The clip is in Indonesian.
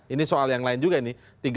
ini soal yang lain juga ini